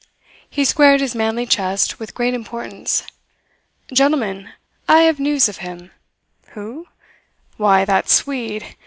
He squared his manly chest with great importance. "Gentlemen, I have news of him. Who? why, that Swede.